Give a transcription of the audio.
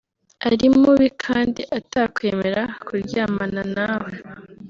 ari mubi kandi atakwemera kuryamana nawe